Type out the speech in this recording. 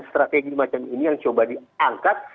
strategi macam ini yang coba diangkat